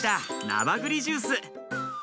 ナバグリジュース。